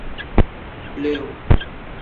统计学习理论而建立。